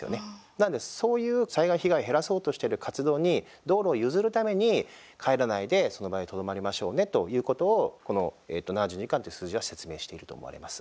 なので、そういう災害被害を減らそうとしている活動に道路を譲るために帰らないでその場にとどまりましょうねということをこの７２時間という数字は説明していると思われます。